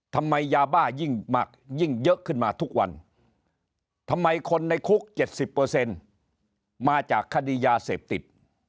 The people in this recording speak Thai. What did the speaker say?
ทำไมยาบ้ายิ่งหมักยิ่งเยอะขึ้นมาทุกวันทำไมคนในคุก๗๐มาจากคดียาเสพติด